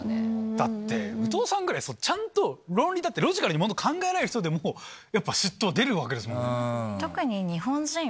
だって武藤さんぐらいちゃんと論理立ててロジカルにものを考えられる人でもやっぱ嫉妬は出るわけですもんね。